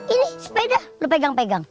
ini sepeda lo pegang pegang